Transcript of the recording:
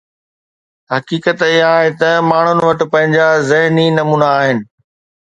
حقيقت اها آهي ته ماڻهن وٽ پنهنجا ذهني نمونا آهن.